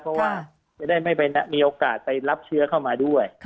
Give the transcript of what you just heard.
เพราะว่าจะได้ไม่มีโอกาสไปรับเชื้อเข้ามาด้วย